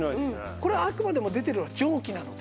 これはあくまでも出ているのは蒸気なので。